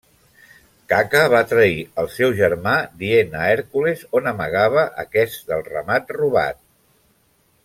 Caca va trair el seu germà dient a Hèrcules on amagava aquest el ramat robat.